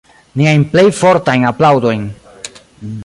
Niajn plej fortajn aplaŭdojn.